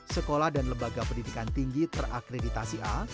sekolah dan lembaga pendidikan tinggi terakreditasi a